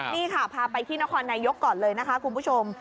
นี่ค่ะพาไปที่นครนายกก่อนเลยนะคะคุณผู้ชม